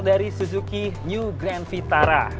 dari suzuki new grand vitara